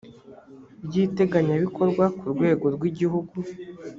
ry iteganyabikorwa ku rwego rw igihugu